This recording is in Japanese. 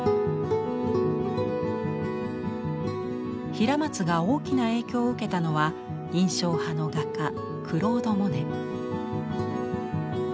平松が大きな影響を受けたのは印象派の画家クロード・モネ。